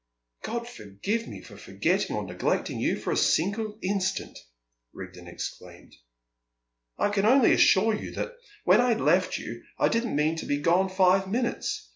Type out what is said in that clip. "God forgive me for forgetting or neglecting you for a single instant!" Rigden exclaimed. "I can only assure you that when I left you I didn't mean to be gone five minutes.